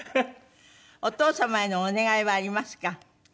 「お父様へのお願いはありますか？」